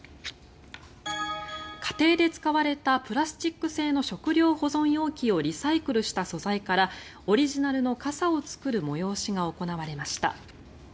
家庭で使われたプラスチック製の食料保存容器をリサイクルした素材からオリジナルの傘を作る催しが行われました。